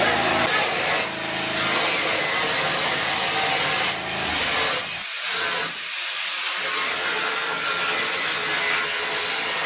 อันดับที่สุดท้ายก็จะเป็น